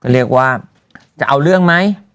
เรียกว่าจะเอาเรื่องไหม